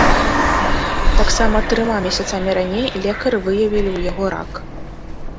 Таксама трыма месяцамі раней лекары выявілі ў яго рак.